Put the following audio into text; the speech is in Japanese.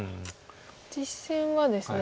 実戦はですね